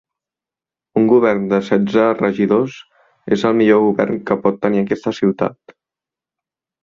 Un govern de setze regidors és el millor govern que pot tenir aquesta ciutat.